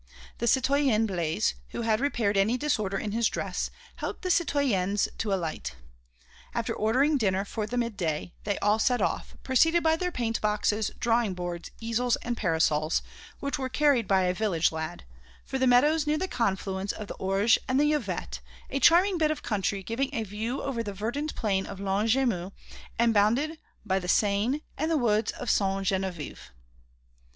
The citoyen Blaise, who had repaired any disorder in his dress, helped the citoyennes to alight. After ordering dinner for midday, they all set off, preceded by their paintboxes, drawing boards, easels, and parasols, which were carried by a village lad, for the meadows near the confluence of the Orge and the Yvette, a charming bit of country giving a view over the verdant plain of Longjumeau and bounded by the Seine and the woods of Sainte Geneviève.